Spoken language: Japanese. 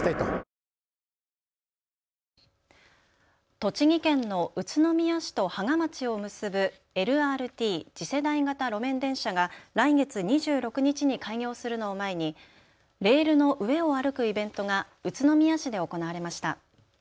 栃木県の宇都宮市と芳賀町を結ぶＬＲＴ・次世代型路面電車が来月２６日に開業するのを前にレールの上を歩くイベントが宇都宮市で行われました。